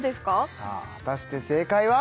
さあ果たして正解は？